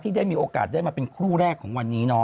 ได้มีโอกาสได้มาเป็นคู่แรกของวันนี้เนาะ